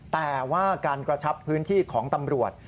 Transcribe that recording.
แต่ว่าการกระชับพื้นที่ของตำรวจ